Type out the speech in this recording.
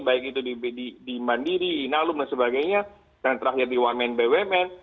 baik itu di mandiri nalum dan sebagainya dan terakhir di one man bumn